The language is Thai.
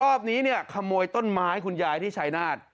รอบนี้เนี่ยขโมยต้นไม้คุณยายที่ชายนาฏ